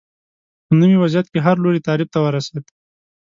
په نوي وضعیت کې هر لوری تعریف ته ورسېد